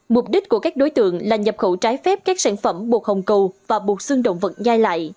mục đích của các đối tượng là nhập khẩu trái phép các sản phẩm bột hồng cầu và bột xương động vật nhai lại